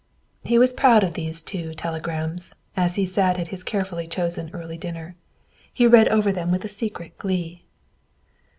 '" He was proud of these two telegrams, as he sat at his carefully chosen early dinner. He read them over with a secret glee.